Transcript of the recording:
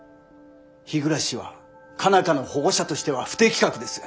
日暮は佳奈花の保護者としては不適格です。